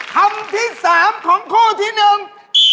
คำที่สามของคู่ที่หนึ่ง